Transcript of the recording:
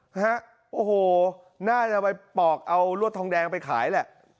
นะฮะโอ้โหน่าจะไปปอกเอารวดทองแดงไปขายแหละ